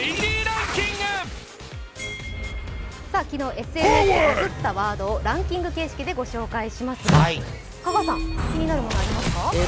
昨日ＳＮＳでバズったワードをランキング形式で御紹介しますが気になるものありますか？